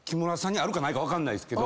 あるかないか分かんないけど。